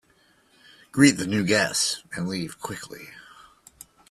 Greet the new guests and leave quickly.